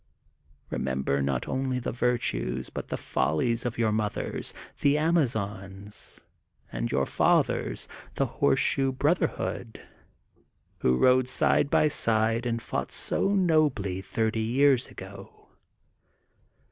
Remember not only the virtues but the follies of your mothers, the Amazons, and your fathers, the Horse shoe Brotherhood, who rode side by side and fought so nobly thirty years ago.